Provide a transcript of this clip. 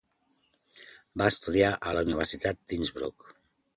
Va estudiar a la Universitat d'Innsbruck.